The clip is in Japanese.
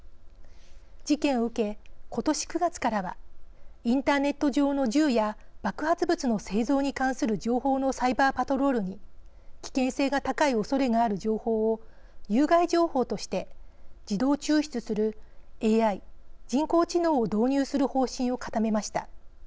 事件を受け、今年９月からはインターネット上の銃や爆発物の製造に関する情報のサイバーパトロールに危険性が高いおそれがある情報を有害情報として自動抽出するＡＩ＝人工知能を導入する方針を固めました。